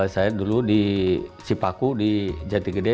saya dulu di sipaku di jatigede